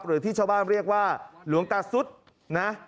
หรือที่ชาวบ้านเรียกว่าหลวงตาซุดนะ